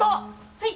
はい！